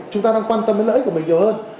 chúng ta đang quan tâm đến lợi ích của mình nhiều hơn